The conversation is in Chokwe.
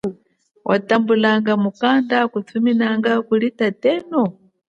Watambulanga mukanda akuthuminanga kuli tatenu?